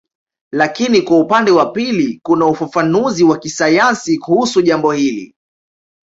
Lakini kwa upande wa pili kuna ufafanuzi wa kisayansi kuhusu jambo hili